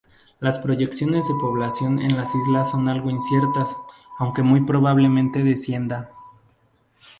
Las proyecciones de población en la isla son algo inciertas, aunque muy probablemente descienda.